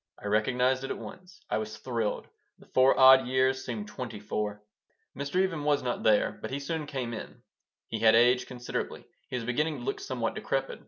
I recognized it at once. I was thrilled. The four odd years seemed twenty four. Mr. Even was not there, but he soon came in. He had aged considerably. He was beginning to look somewhat decrepit.